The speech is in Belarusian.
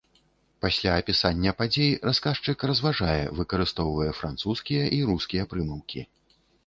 Пасля апісанняў падзей расказчык разважае, выкарыстоўвае французскія і рускія прымаўкі.